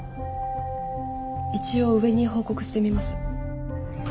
一応上に報告してみます。